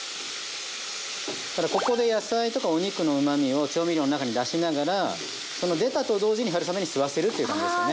ここで野菜とかお肉のうまみを調味料の中に出しながらその出たと同時に春雨に吸わせるという感じですかね。